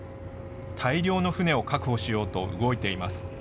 大量の船を確保しようと動いています。